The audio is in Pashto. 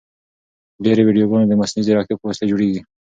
ډېرې ویډیوګانې د مصنوعي ځیرکتیا په وسیله جوړیږي.